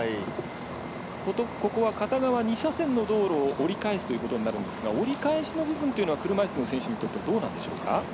ここは片側２車線の道路を折り返すということになるんですが折り返しの部分というのは車いすの選手にとってはどうなんでしょうか？